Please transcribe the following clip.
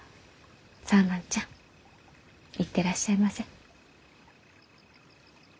さあ万ちゃん行ってらっしゃいませ。